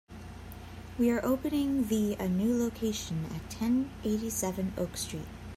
We are opening the a new location at ten eighty-seven Oak Street.